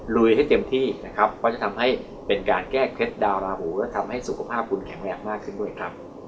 ลุยให้เต็มที่นะครับเพราะจะทำให้เป็นการแก้เคล็ดดาวราหูและทำให้สุขภาพคุณแข็งแรงมากขึ้นด้วยครับ